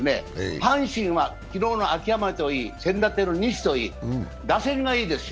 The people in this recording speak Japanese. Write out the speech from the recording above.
阪神は昨日の秋山といい、先だってのニシといい、打線がいいですよ。